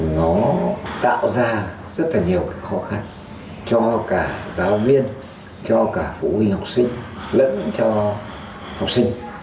nó tạo ra rất là nhiều khó khăn cho cả giáo viên cho cả phụ huynh học sinh lẫn cho học sinh